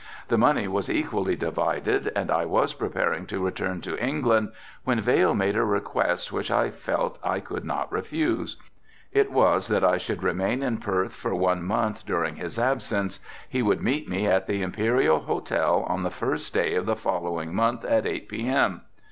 The money was equally divided and I was preparing to return to England when Vail made a request which I felt I could not refuse, it was that I should remain in Perth for one month during his absence, he would meet me at the Imperial hotel, on the first day of the following month at eight p.m.